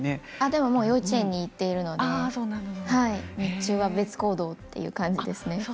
でも、もう幼稚園に行っているので日中は別行動という感じですね。